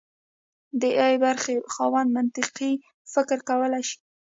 د ای برخې خاوند منطقي فکر کولی شي.